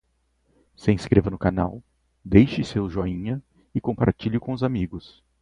Se inscreva no canal, deixe seu joinha e compartilhe com os amigos